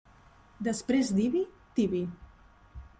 Després d'Ibi, Tibi.